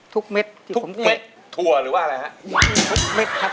ทุกมัตต์ทุกมัตต์ถั่วหรือบ้าง